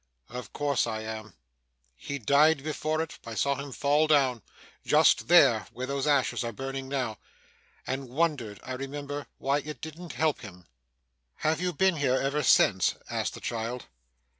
'Of course I am. He died before it. I saw him fall down just there, where those ashes are burning now and wondered, I remember, why it didn't help him.' 'Have you been here ever since?' asked the child.